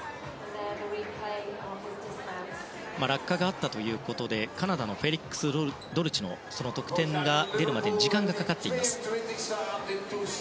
落下があったということでカナダのフェリックス・ドルチの得点が出るまで時間がかかっています。